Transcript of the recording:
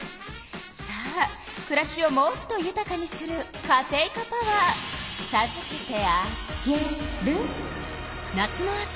さあくらしをもっとゆたかにするカテイカパワーさずけてあげる。